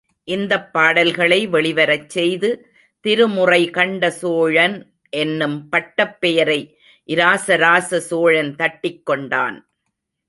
இந்தப் பாடல்களை வெளிவரச் செய்து திருமுறை கண்ட சோழன் என்னும் பட்டப் பெயரை இராசராச சோழன் தட்டிக் கொண்டான்.